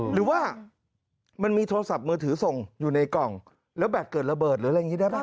หรือว่ามันมีโทรศัพท์มือถือส่งอยู่ในกล่องแล้วแบตเกิดระเบิดหรืออะไรอย่างนี้ได้ป่